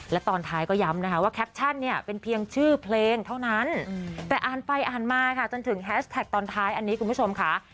และตอนท้ายก็ย้ำนะคะว่าแคปชั่นเนี่ยเป็นเพียงชื่อเพลงเท่านั้นแต่อ่านไปอ่านมาค่ะจนถึงแฮชแท็กตอนท้ายอันนี้คุณผู้ชมค่ะ